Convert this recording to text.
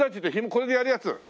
これでやるやつ。